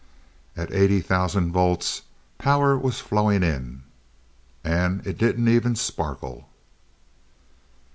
At eighty thousand volts, power was flowing in And it didn't even sparkle.